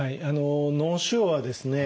脳腫瘍はですね